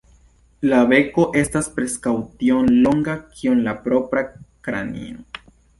La beko estas preskaŭ tiom longa kiom la propra kranio.